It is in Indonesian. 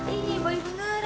iya bayi beneran